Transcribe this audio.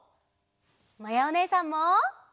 まやおねえさんも！